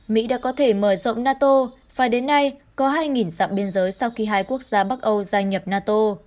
mỹ đã có thể mở rộng nato và đến nay có hai dạng biên giới sau khi hai quốc gia bắc âu gia nhập nato